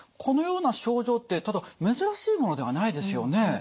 このような症状ってただ珍しいものではないですよね。